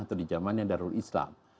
atau di zamannya darul islam